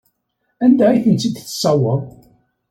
Anda ay tent-id-tessewweḍ?